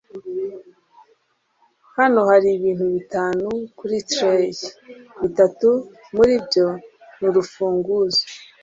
hano hari ibintu bitanu kuri tray, bitatu muri byo ni urufunguzo